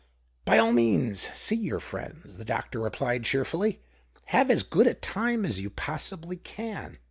" By all means see your friends," the doctor replied, cheerfully. " Have as good a time as you possibly can.